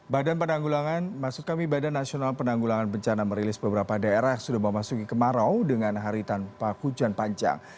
badan penanggulangan maksud kami badan nasional penanggulangan bencana merilis beberapa daerah yang sudah memasuki kemarau dengan hari tanpa hujan panjang